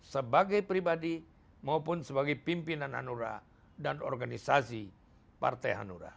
sebagai pribadi maupun sebagai pimpinan hanura dan organisasi partai hanura